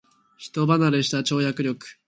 人間離れした跳躍力